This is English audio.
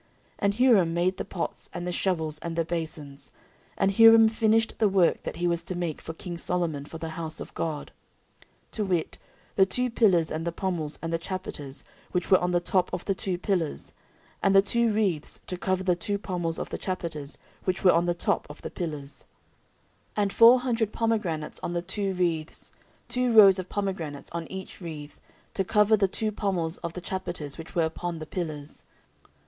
14:004:011 And Huram made the pots, and the shovels, and the basons. And Huram finished the work that he was to make for king Solomon for the house of God; 14:004:012 To wit, the two pillars, and the pommels, and the chapiters which were on the top of the two pillars, and the two wreaths to cover the two pommels of the chapiters which were on the top of the pillars; 14:004:013 And four hundred pomegranates on the two wreaths; two rows of pomegranates on each wreath, to cover the two pommels of the chapiters which were upon the pillars.